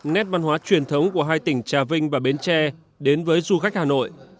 nét văn hóa truyền thống của hai tỉnh trà vinh và bến tre đến với du khách hà nội